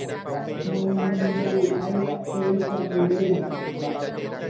nañanembovy'ái péicha erérõ.